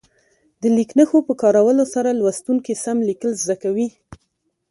د لیک نښو په کارولو سره لوستونکي سم لیکل زده کوي.